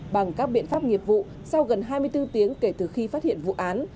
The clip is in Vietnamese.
bằng các biện pháp nghiệp vụ sau gần hai mươi bốn tiếng kể từ khi phát hiện vụ án